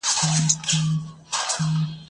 ليکلي پاڼي ترتيب کړه،